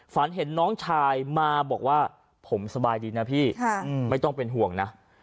ฝันเห็นน้องชายมาบอกว่าผมสบายดีนะพี่ไม่ต้องเป็นห่วงนะ